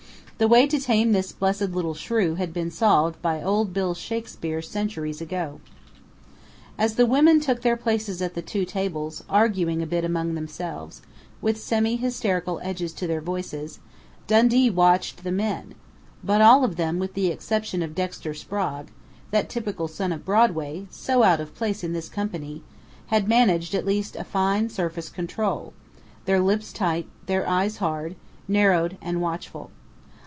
The way to tame this blessed little shrew had been solved by old Bill Shakespeare centuries ago.... As the women took their places at the two tables, arguing a bit among themselves, with semi hysterical edges to their voices, Dundee watched the men, but all of them, with the exception of Dexter Sprague that typical son of Broadway, so out of place in this company had managed at least a fine surface control, their lips tight, their eyes hard, narrowed and watchful.